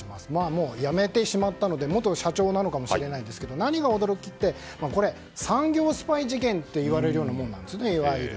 もう辞めてしまったので元社長なのかもしれないですけど何が驚きってこれ、産業スパイ事件といわれるようなものなんですねいわゆる。